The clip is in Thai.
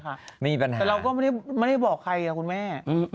ไม่มีปัญหาคุณแม่แต่เราก็ไม่ได้บอกใครคุณแม่